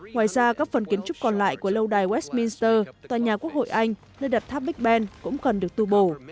ngoài ra các phần kiến trúc còn lại của lâu đài westminster tòa nhà quốc hội anh nơi đặt tháp big ben cũng cần được tu bổ